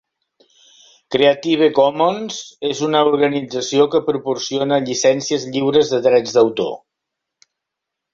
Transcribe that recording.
Creative Commons és una organització que proporciona llicències lliures de drets d'autor.